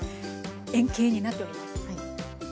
円形になっております。